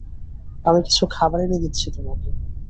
আমি কিছু খাবার এনে দিচ্ছি তোমাকে।